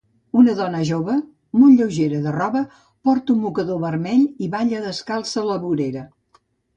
Una dona jova molt lleugera de roba porta un mocador vermell i balla descalça a la vorera.